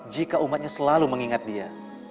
jika umatnya selalu mengingat dia